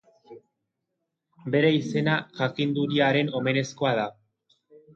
Bere izena, jakinduriaren omenezkoa da.